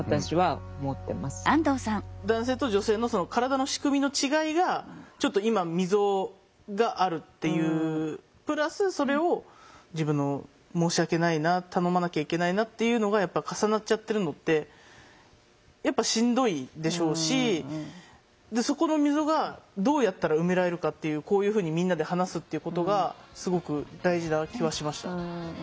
男性と女性の体の仕組みの違いがちょっと今溝があるっていうプラスそれを自分の「申し訳ないな頼まなきゃいけないな」っていうのがやっぱ重なっちゃってるのってやっぱしんどいでしょうしそこの溝がどうやったら埋められるかっていうこういうふうにみんなで話すっていうことがすごく大事な気はしました。